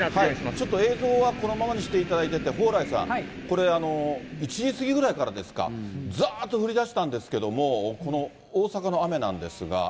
ちょっと映像はこのままにしておいていただいて、蓬莱さん、これ、１時過ぎぐらいからですか、ざーっと降りだしたんですけれども、この大阪の雨なんですが。